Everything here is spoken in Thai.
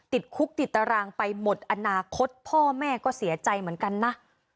ติดคุกติดตารางไปหมดอนาคตพ่อแม่ก็เสียใจเหมือนกันนะ